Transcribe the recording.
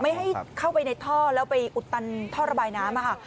ไม่ให้เข้าไปในท่อแล้วไปอุดตันท่อระบายน้ำค่ะ